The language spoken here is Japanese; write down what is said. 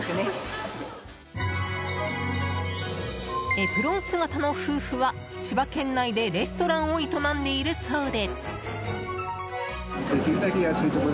エプロン姿の夫婦は、千葉県内でレストランを営んでいるそうで。